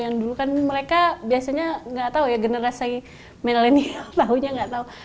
yang dulu kan mereka biasanya nggak tahu ya generasi milenial tahunya nggak tahu